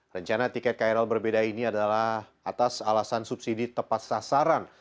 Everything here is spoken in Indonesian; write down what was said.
rencana tiket krl berbeda ini adalah atas alasan subsidi tepat sasaran